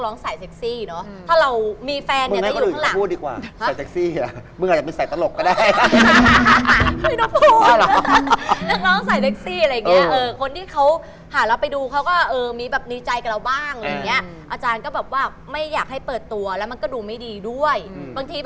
เรื่องผู้ชายนี่เราต้องมูไหม